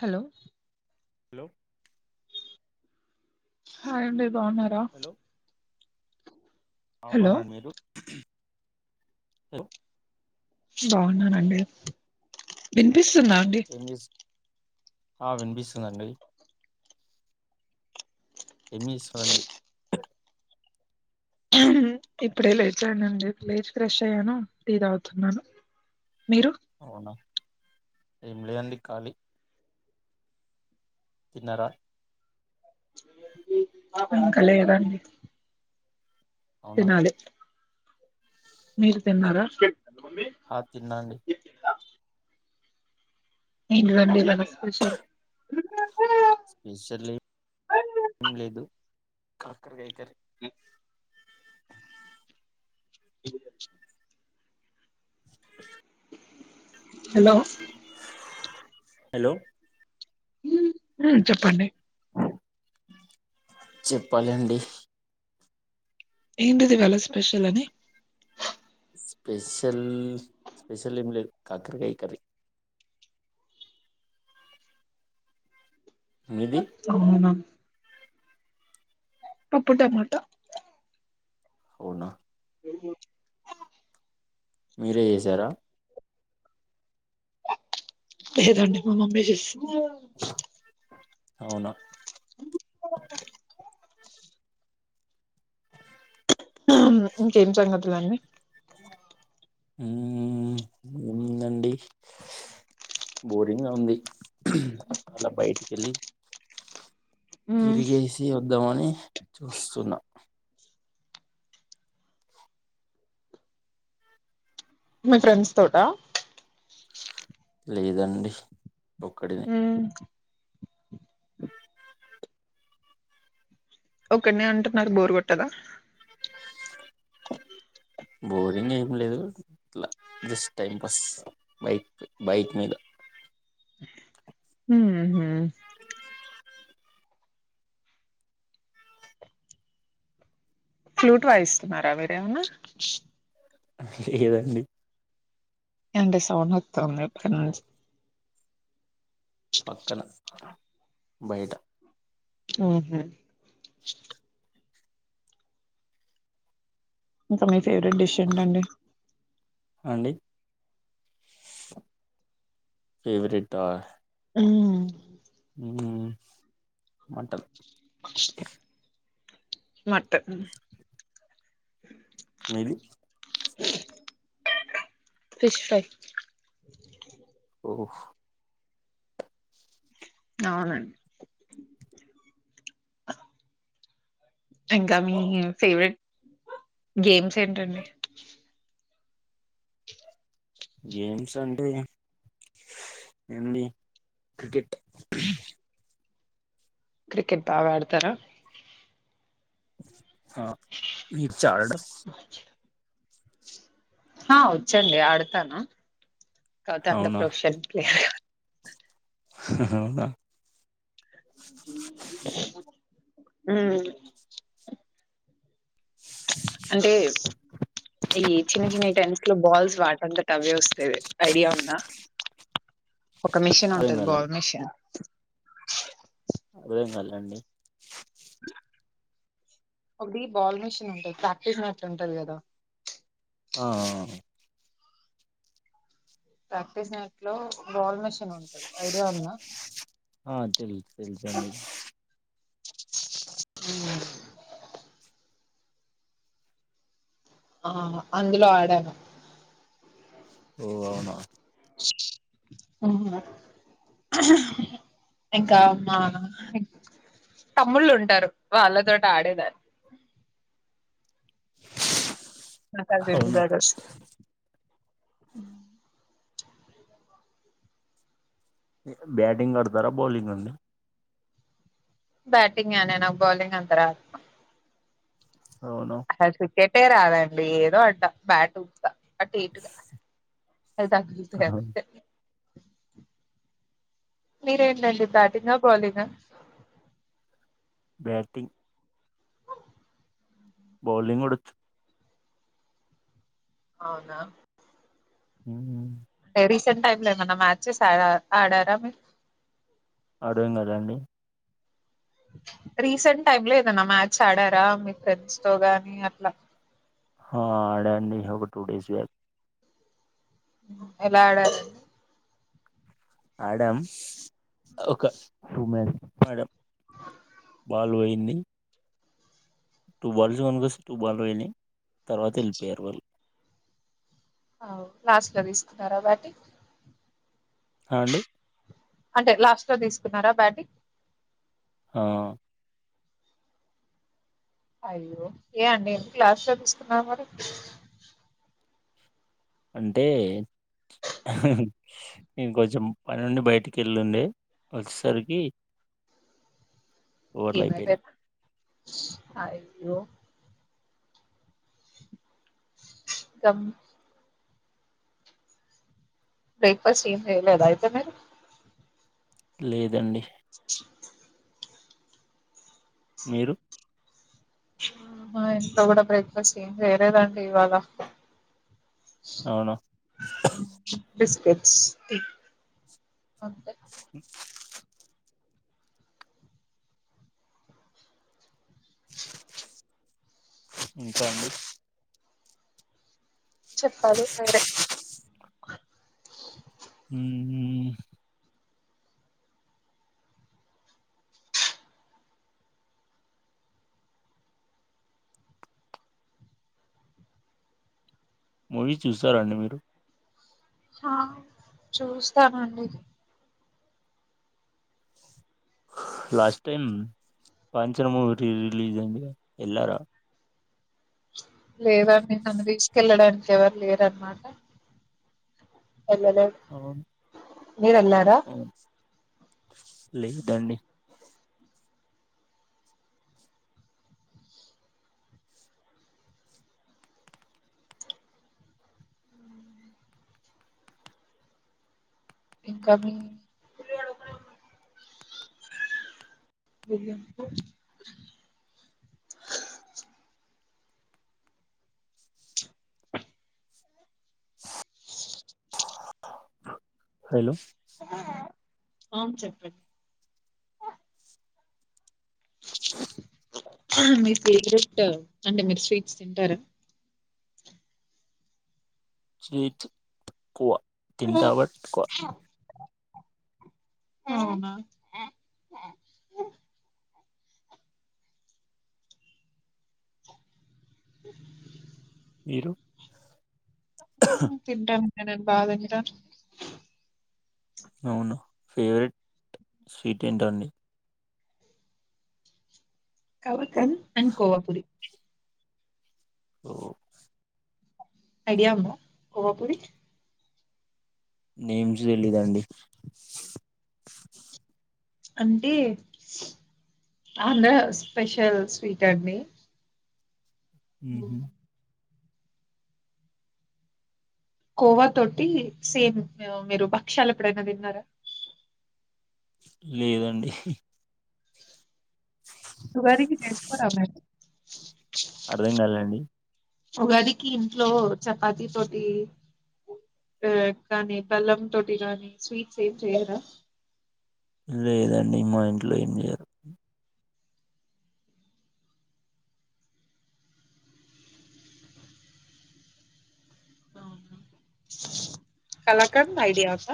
Hello hello hi అండి బనార్ ఆ బన్నాడి మీరు స బాగున్నానండి వినిప్ స్తుంద అండి ఏం చేస్ ఆ వినిపిస్తుందండి ఎమిీ చడి [unintelligible] ఇప్పుడే లేచను అండి లేచి ఫ్రెష్ అయ్యాను టీ తాగుతున్నాను మీరు అవునా ఏమి లేదండి ఖాలీ తిన్నారా ఇంకా లేదండి అవునా తినాలి మీరు తిన్నారా ఆ తిన్నాండి ఏంటి దండి స్పెషల్ స్పెషల్ ఏం లేదు కాకరగాయకరి అ హలో హలో చెప్పండి చెప్పాలండి ఏంటిదివాల స్పెషల్ అని స్పెషల్ స్పెషల్ ఏం లేద్ కాకరకాయ కరీ మీది అవునా పప్పు టమాటా అవునా తె మీరే చేసారా లేదండి మా మమ్మీ చేస్ ఆ అవునా ఇంకేం జంగదులండి ఉమ్ ఏముందండి బోరింగ్గా ఉంది అలా బయటికి వెళ్ళి ఉమ్, తిరిగేసి అ వద్దం అని చూస్తున్నా మీ ఫ్రెండ్స్ తోట లేదండి ఒక్కడినే మ్మ్ ఒకడేనే అంటే మరి బోరు కొట్టదా బోరింగ్ ఏం లేదు ఇట్లా just time pass bike bike మీద హమ్ ఫ్లూట్ వాయిస్తున్నారా మీరు ఏమనా అ లేదండి ంటే సౌండ్ వతంది అపుడునుంచి పక్కన బయట ఆహా ఇంకా మీ ఫేవరెట్ డిష్ ఏంటండి అండి ఫేవరట్ ఆ మ్మ్ హ మాటల మట మీది ఫిష్ ఫ్రై ఓహ అవునండి ఇంకా మీ ఫేవరెట్ గేమ్స్ ఏంటండి గేమ్స్ అంటే అండి క్రికెట్ క్రికెట్ బాగా ఆడతారా ఆ మీ చడా ఆ వచ్చండి ఆడతాను కౌతా అంద అవునా ప్రోషన్ ప్లేయర్ అవునా హు అంటే ఈ చిన్న చిన్న టెన్నిస్ లో బాల్స్ వాటంత టవే వస్తాది ఐడియా ఉందా ఒక మిషన్ అర్థం ఉంటది కాలండి బాల్ మిషన్ అర్థం కాలే అండి ఒకటి బాల్ మీషన్ ఉంటాంది ప్రాక్టీస్ నెట్ ఉంటది కదా ఆ ఆ ప్రాక్టీస్ నేట్ లో బాల్ మెష్ ఐడియా ఉందా ఆ తెలుసు తెలుసండి హు ఆ అందులో ఆడాను ఓ అవునా ఆ ఇంకా మా తమ్ముళ్ళు ఉంటారు వాళ్ళతోటి ఆడేదాన్ని అదే [inaudible] అవునా అ బ్యాటింగ్ ఆడుతారా బౌలింగ్ గ అండి బ్యాటింగేనా నాకు బౌాలింగ్ అంత రాదు అవునా స స కేటే రాదండి ఏదో అట్ట బ్యాట్ ఉప్తా అటు ఇటు [inaudible] మీరేంటండి బ్యాటింగా బౌలింగా బ్యాటింగ్ బౌలింగ్ కూడా వచ్ అవునా హుమ్ రీసెంట్ టైమ్ల ఏమన్నా మ్యాచెస్ ఆడ ఆడారా మీర్ అర్ధం కాలే అండి రీసెంట్ టైమ్ లో ఏదన్నా మ్యాచ్ ఆడారా మీ ఫ్రెండ్స్ తో గాని అట్లా ఆ ఆడా అండి ఒక టూ డేస్ బ్యాక్ ఎలా ఆడారం ఆడాం ఒక టూ మెల్ మేడం బాలు పోయింది టూ బాల్స్ కొనుకొస్ టూ బాల్ పోయినయ్ తర్వాత వెళ్ళిపోయారు వాళ్ళు అవ్ లాస్ట్ లో తీసుకున్నారా బ్యాటింగ్ అ అండి అంటే లాస్ట్ లో తీసుకున్నారా బ్యాటింగ్ హ అయ్యో ఏ అండి ఎందుకు లాస్టులో తీసుకున్నారు మరి అంటే ఇంకొంచెం పనుండి బయటికేళ్ళుండే వచ్చేసరికి ఓవర్లు అయిపోయినాయ్ ఏమైపోయింది అయ్యో సం బ్రేక్ఫాస్ట్ ఏం చెయ్యలేదా అయితే మ లేదండి మీరు మా ఇంట్లో కూడా బ్రేక్ఫాస్ట్ ఏం చేయలేదండి ఇవాళ అవునా బిస్కెట్స్ అ ఇంకా అండి చెప్పాలి సరే హు హు మూవీ చూశారండి మీరు ఆ చూస్తానండి లాస్ట్ టైం కాంచన మూవీ రీ రిలీజ అంది ఎల్లారా లేదు అండి నన్ను తీసుకెళ్ళడానికి ఎవరు లేరున్నమాట ఎల్లలే అవును మీరు ఎలారా అవును లేదండి ఇంకా మీ [unintelligible] హలో అవును చెప్పండి మీ ఫేవరెట్ అంటే మీరు స్వీట్స్ తింటారా స్వీట్ తక్కువ తింటావకోవా అవునా మీరు తింటాను ఏనును బదగరా [unintelligible] అవును ఫేవరెట్ స్వీట్ ఏంట అండి కళాకాంత్ అండ్ కోవా పూరి ఓ అఐడియా కోవపురి నేమ్స్ తెలీదుండి అంటే ఆంధ్ర స్పెషల్ స్వీట్ అండి ఉహు ఉమ్, కోవా తోటి సేమ్ మీరు భక్షాలు ఎప్పుడైనా విన్నారా లేదండి ఉగాదికి చేసుకోరా మీరు అర్థం కాలేదండి. ఉగాదికి ఇంట్లో చపాతి తోటి, ఆ కానీ బెల్లం తోటి గాని స్వీట్స్ ఏం చెయ్యరా. లేదండి మా ఇంట్లో ఏం చేయారూ. కలకండ్ ఐడియా ఉందా.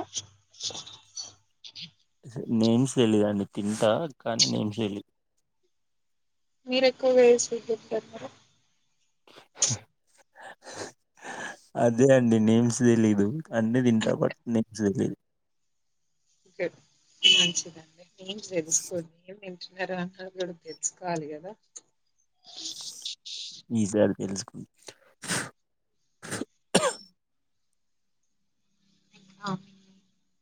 నేమ్స్ తెలీదండి తింటా కానీ నేమ్స్ తెలీదు. మీరు ఎక్కువగా ఏ స్వీట్ తింటరు మేడం. అదే అండి నేమ్స్ తెలీదు. అన్ని తింట బట్ నేమ్స్ తెలిదు. ఒకే మంచిదండి. నేమ్స్ తెలుసుకొని తెలుసుకోవాలి కదా. ఈసారి తెలుసు. [unintelligible] [unintelligible]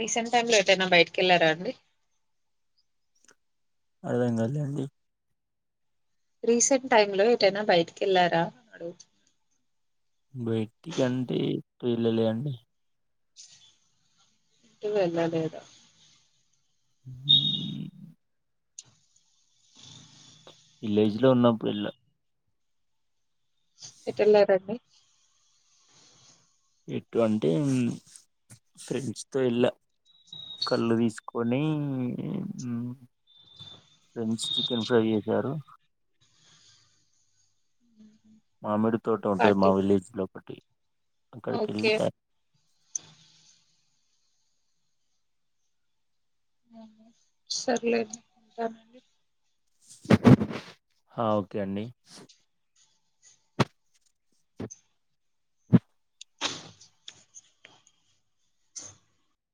రీసెంట్ టైమ్ లో ఎదైనా బయటికి వెళ్లారా అండి. అర్థంగాలేండి. రీసెంట్ టైమ్ లో ఏటైనా బయటికి వెళ్లారా అడుగుతు బయటికంటే ఎటు వెళ్లలే అండి. ఎటు వెళ్లలేదా. ఉమ్ మ్ విలేజ్ లో ఉన్నప్పుడు వెళ్ల ఎటు ఎల్లారండి. ఎటు అంటే ఫ్రెండ్స్తోవెళ్ళ కల్లు తీసుకొని ఫ్రెండ్స్ ఉం చికెన్ ఫ్రై చేశారు. మామిడి. తోట ఉంటుంది మా పార్టీకి విలేజ్ లో పెద్ద. [inaudible] ఓకే అక్కడకికెళ్తే, సర్లేండి ఉంటానండి. ఆ ఓకే అండి. [inaudible] [inaudible]